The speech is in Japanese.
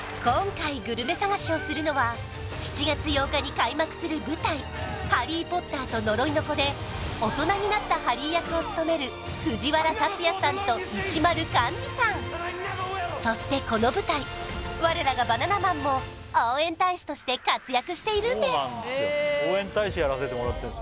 今回グルメ探しをするのは７月８日に開幕する舞台「ハリー・ポッターと呪いの子」で大人になったハリー役を務める藤原竜也さんと石丸幹二さんそしてこの舞台我らがバナナマンも応援大使として活躍しているんです